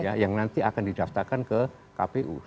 ya yang nanti akan didaftarkan ke kpu